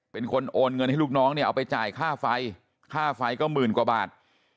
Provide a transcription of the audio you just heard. เป็นคนโอนเงินให้ลูกน้องเนี่ยเอาไปจ่ายค่าไฟค่าไฟก็หมื่นกว่าบาท